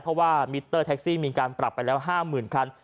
เพราะว่ามิเตอร์แท็กซี่มีการปรับไปแล้ว๕๐๐๐คัน